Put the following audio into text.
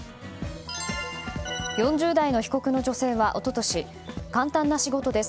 ４０代の被告の女性は、一昨年簡単な仕事です。